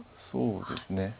そうですね。